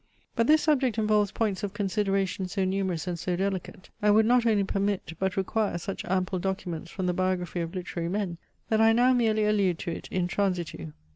But this subject involves points of consideration so numerous and so delicate, and would not only permit, but require such ample documents from the biography of literary men, that I now merely allude to it in transitu.